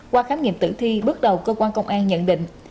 qua khám nghiệm tử thi bước đầu cơ quan công an nhận định